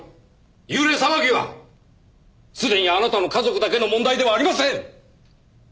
幽霊騒ぎはすでにあなたの家族だけの問題ではありません！